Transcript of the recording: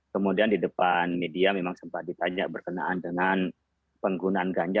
kemudian di depan media memang sempat ditanya berkenaan dengan penggunaan ganja